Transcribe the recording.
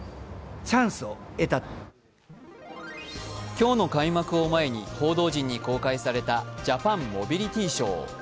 今日の開幕を前に報道陣に公開されたジャパンモビリティショー。